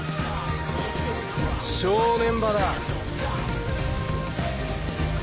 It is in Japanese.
正念場だ。